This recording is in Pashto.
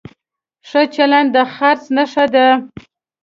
ښه چلند د خرڅ نښه ده.